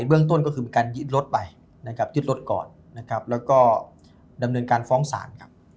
เบื้องต้นก็คือการยืดรถไปยืดรถก่อนแล้วก็ดำเนินการฟ้องศาล